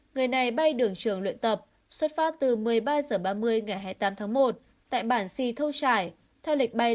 người này bay đường trường luyện tập xuất phát từ một mươi ba h ba mươi ngày hai mươi tám tháng một tại bản si thâu trải